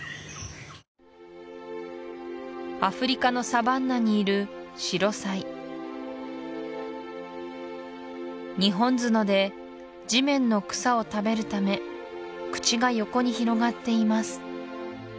アフリカのサバンナにいるシロサイ２本角で地面の草を食べるため口が横に広がっています